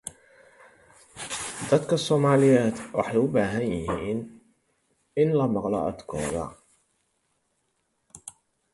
The direct use of relative bearings is sometimes of value.